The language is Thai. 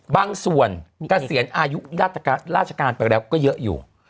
บางส่วนเกษียณอายุราชการไปแล้วก็เยอะอยู่